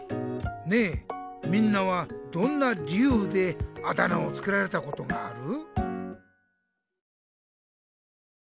ねえみんなはどんな理由であだ名をつけられたことがある？